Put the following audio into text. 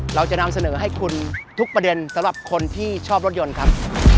เราจะนำเสนอให้คุณทุกประเด็นสำหรับคนที่ชอบรถยนต์ครับ